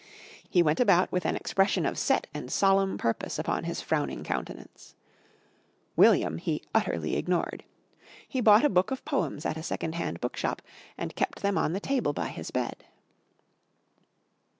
He went about with an expression of set and solemn purpose upon his frowning countenance. William he utterly ignored. He bought a book of poems at a second hand bookshop and kept them on the table by his bed.